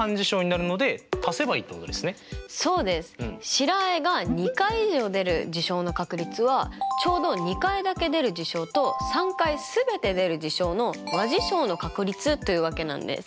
白あえが２回以上出る事象の確率はちょうど２回だけ出る事象と３回全て出る事象の和事象の確率というわけなんです。